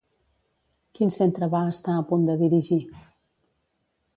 Quin centre va estar a punt de dirigir?